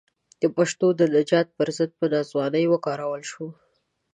د پښتنو د نجات پر ضد په ناځوانۍ وکارول شو.